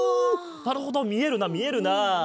なるほどみえるなみえるな。